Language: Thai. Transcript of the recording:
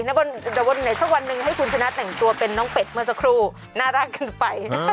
เดี๋ยววันไหนสักวันหนึ่งให้คุณชนะแต่งตัวเป็นน้องเป็ดเมื่อสักครู่น่ารักคึกไป